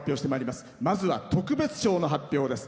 まずは特別賞の発表です。